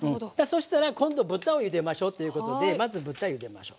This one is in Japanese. そしたら今度豚をゆでましょうということでまず豚ゆでましょう。